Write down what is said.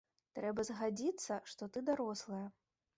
Трэба згадзіцца, што ты дарослая.